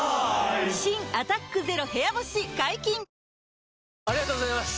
新「アタックＺＥＲＯ部屋干し」解禁‼ありがとうございます！